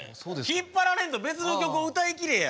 引っ張られんと別の曲を歌いきれや！